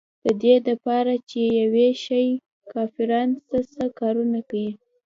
د دې دپاره چې پوې شي چې کافران سه سه کارونه کيي.